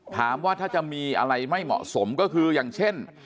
ถามว่าถ้าจะมีอะไรไม่เหมาะสมก็คืออย่างเช่น